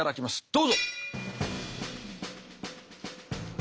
どうぞ。